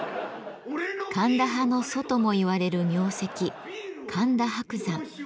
神田派の祖とも言われる名跡神田伯山。